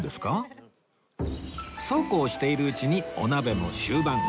そうこうしているうちにお鍋も終盤